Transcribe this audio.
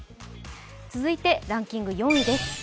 続いてランキング４位です。